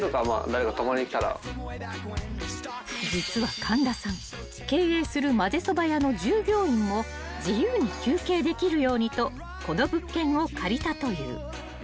［実は神田さん経営するまぜそば屋の従業員も自由に休憩できるようにとこの物件を借りたという］